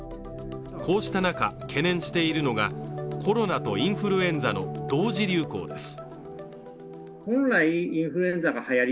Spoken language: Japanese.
こうした中、懸念しているのがコロナとインフルエンザの同時流行です。